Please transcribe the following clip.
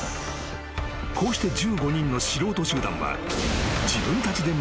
［こうして１５人の素人集団は］